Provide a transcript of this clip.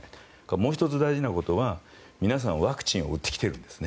もう１つ大事なことは皆さん、ワクチンを打ってきているんです。